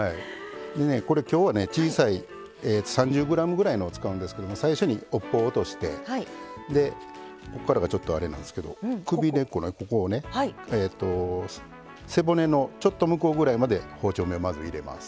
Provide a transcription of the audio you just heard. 今日はね小さい３０ｇぐらいのを使うんですけど最初に尾っぽを落としてでここからがちょっとあれなんですけど首根っこのここをね背骨のちょっと向こうぐらいまで包丁目をまず入れます。